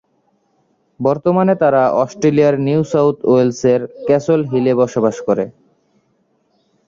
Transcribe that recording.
বর্তমানে তারা অস্ট্রেলিয়ার নিউ সাউথ ওয়েলসের ক্যাসল হিলে বসবাস করছেন।